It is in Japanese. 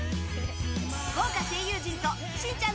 豪華声優陣と「しんちゃん」